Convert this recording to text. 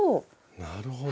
なるほど。